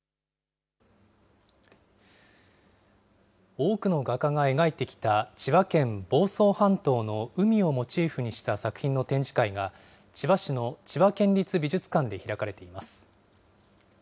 多くの画家が描いてきた千葉県房総半島の海をモチーフにした作品の展示会が、千葉市の千葉県立美術館で開かれています。